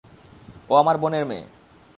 ও আমার বোনের মেয়ে।